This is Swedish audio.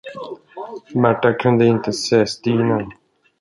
Märta kunde inte se Stina.